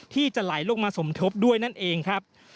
ที่จะไหลลงมาสมทบด้วยนั่นเองครับ